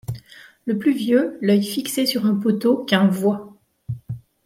Le plus vieux, l'oeil fixé sur un poteau qu'Un voit